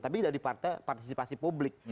tapi dari partisipasi publik